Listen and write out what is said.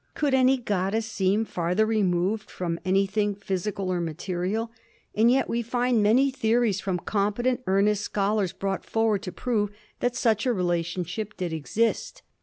Could any goddess seem farther removed from anything physical or material? and yet we find many theories from competent, earnest scholars, brought forward to prove that such a relationship did exist.